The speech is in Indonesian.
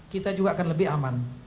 kita juga akan lebih aman